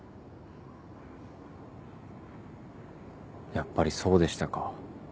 やっぱりそうでしたか。